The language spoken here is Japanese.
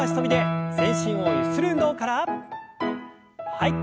はい。